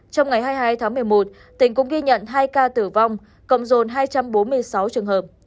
trong ngày hai mươi hai tháng một mươi một tỉnh cũng ghi nhận hai ca tử vong cộng dồn hai trăm bốn mươi sáu trường hợp